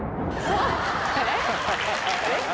・えっ？